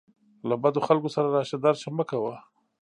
له بدو خلکو سره راشه درشه مه کوه.